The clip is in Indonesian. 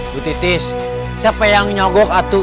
bu titis siapa yang nyogok atau